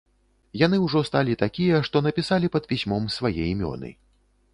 Яны ўжо сталі такія, што напісалі пад пісьмом свае імёны.